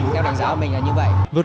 theo đánh giá của mình là như vậy